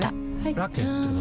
ラケットは？